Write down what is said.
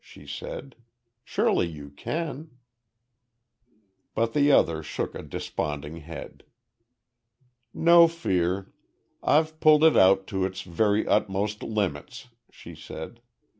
she said. "Surely you can?" But the other shook a desponding head. "No fear. I've pulled it out to its very utmost limits," she said.